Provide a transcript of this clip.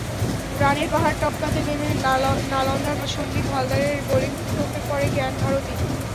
রানের পাহাড় টপকাতে নেমে নালন্দার সন্দ্বীপ হালদারের বোলিং তোপে পড়ে জ্ঞান ভারতী।